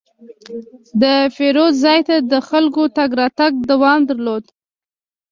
د پیرود ځای ته د خلکو تګ راتګ دوام درلود.